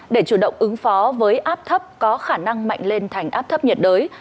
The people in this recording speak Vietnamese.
để chủ động ứng phó với áp thấp có khả năng mạnh lên thành áp thấp nhiệt đới